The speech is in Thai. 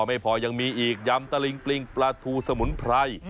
ไม่พอยังมีอีกยำตะลิงปลิงปลาทูสมุนไพร